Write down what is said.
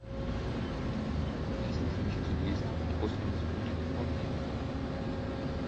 Lassen Sie mich zunächst einen Ausgangspunkt hervorheben.